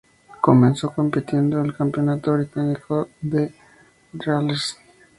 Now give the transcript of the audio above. Comenzó compitiendo en el Campeonato Británico de Rallyes.